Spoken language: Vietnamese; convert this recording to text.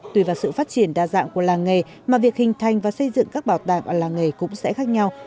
tùy vào sự phát triển đa dạng của làng nghề mà việc hình thành và xây dựng các bảo tàng ở làng nghề cũng sẽ khác nhau